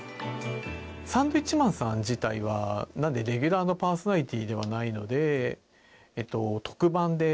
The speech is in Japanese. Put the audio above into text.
サンドウィッチマンさん自体はレギュラーのパーソナリティーではないので特番で。